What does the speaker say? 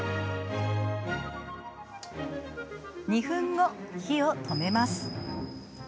２分後火を止めます。